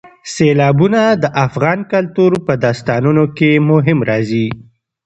سیلابونه د افغان کلتور په داستانونو کې هم راځي.